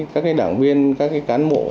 các cái đảng viên các cái cán bộ